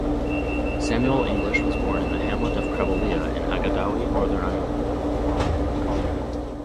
Samuel English was born in the hamlet of Crevolea in Aghadowey, Northern Ireland.